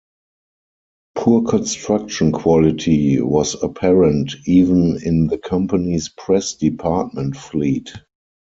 Poor construction quality was apparent even in the company's press department fleet.